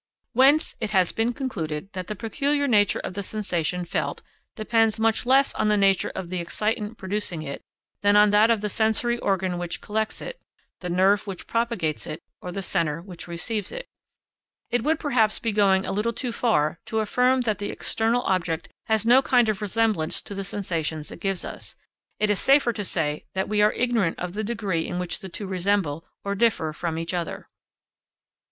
Whence it has been concluded that the peculiar nature of the sensation felt depends much less on the nature of the excitant producing it than on that of the sensory organ which collects it, the nerve which propagates it, or the centre which receives it. It would perhaps be going a little too far to affirm that the external object has no kind of resemblance to the sensations it gives us. It is safer to say that we are ignorant of the degree in which the two resemble or differ from each other.